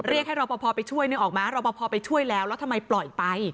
เรียกให้รอปภไปช่วยนึกออกมั้รอปภไปช่วยแล้วแล้วทำไมปล่อยไป